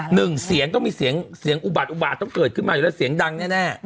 หนึ่งเสียงต้องมีเสียงเสียงอุบาทอุบาทต้องเกิดขึ้นมาอยู่แล้วเสียงดังแน่